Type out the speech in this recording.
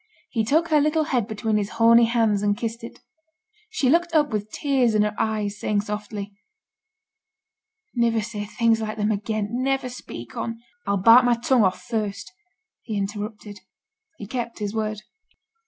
He took her little head between his horny hands and kissed it. She looked up with tears in her eyes, saying softly, 'Niver say things like them again. Niver speak on ' 'A'll bite my tongue off first,' he interrupted. He kept his word.